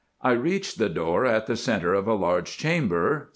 I reached the door at the centre of a large chamber.